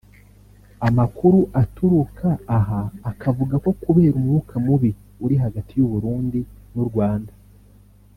Amakuru aturuka aha akavuga ko kubera umwuka mubi uri hagati y’u Burundi n’u Rwanda